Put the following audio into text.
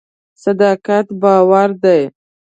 صداقت باور دی.